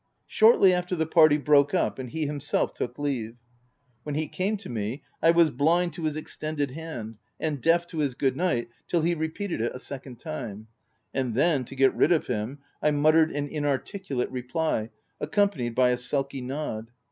Shortly after, the party broke up, and he himself took leave. When he came to me, I was blind to his ex tended hand, and deaf to his good night till he repeated it a second time ; and then, to get rid of him, I muttered an inarticulate reply ac companied by a sulky nod.